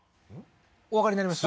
おわかりになりました？